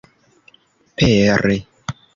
pere